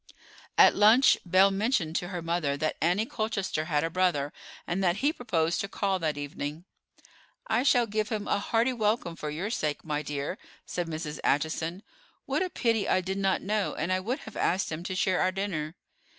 At lunch Belle mentioned to her mother that Annie Colchester had a brother, and that he proposed to call that evening. "I shall give him a hearty welcome for your sake, my dear," said Mrs. Acheson. "What a pity I did not know, and I would have asked him to share our dinner."